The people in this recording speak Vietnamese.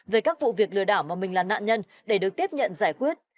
về các vụ việc lừa đảo mà mình là nạn nhân để được tiếp nhận giải quyết